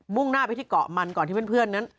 ่งหน้าไปที่เกาะมันก่อนที่เพื่อนนั้น